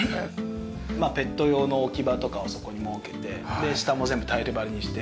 まあペット用の置き場とかをそこに設けて下も全部タイル張りにして。